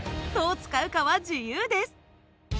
どう使うかは自由です。